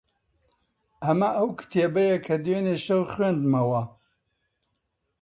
ئەمە ئەو کتێبەیە کە دوێنێ شەو خوێندمەوە.